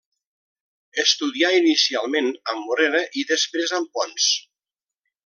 Estudià inicialment amb Morera i després amb Pons.